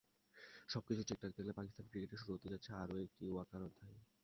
সবকিছু ঠিকঠাক থাকলে পাকিস্তান ক্রিকেটে শুরু হতে যাচ্ছে আরও একটি ওয়াকার-অধ্যায়।